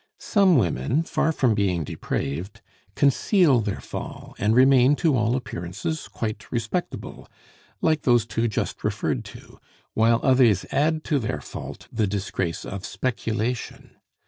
Some women, far from being depraved, conceal their fall and remain to all appearances quite respectable, like those two just referred to, while others add to their fault the disgrace of speculation.